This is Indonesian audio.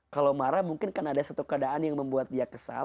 kalau marah mungkin kan ada satu keadaan yang membuat dia kesal